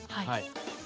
はい。